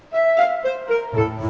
tapi mau schwierig juga